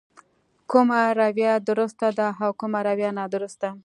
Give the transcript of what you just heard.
کومه رويه درسته ده او کومه رويه نادرسته.